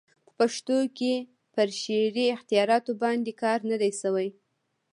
په پښتو کښي پر شعري اختیاراتو باندي کار نه دئ سوى.